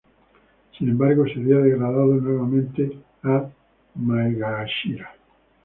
Sin embargo sería degradado nuevamente a "maegashira".